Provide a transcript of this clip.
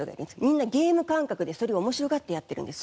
みんなゲーム感覚でそれを面白がってやってるんです。